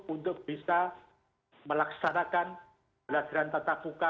untuk bisa melaksanakan pelajaran tata buka